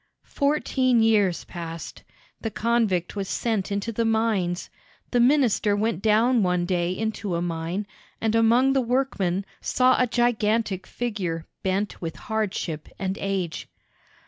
Fourteen years passed. The convict was sent into the mines. The minister went down one day into a mine, and among the workmen saw a gigantic figure bent with hardship and age.